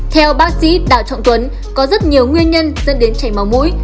theo bác sĩ đạo trọng tuấn có rất nhiều nguyên nhân dân đến chảy máu mũi